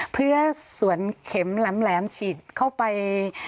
เพื่อสวนเข็มแหลมฉีดเข้าไป